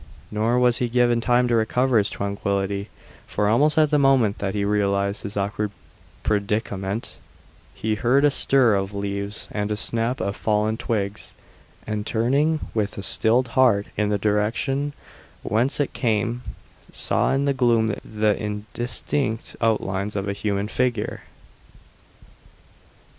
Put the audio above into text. Nor was he given time to recover his tranquillity, for almost at the moment that he realized his awkward predicament he heard a stir of leaves and a snap of fallen twigs, and turning with a stilled heart in the direction whence it came, saw in the gloom the indistinct outlines of a human figure.